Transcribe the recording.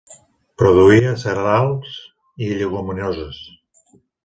Produïa cereals i lleguminoses.